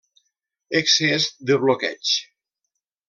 Excés de bloqueig.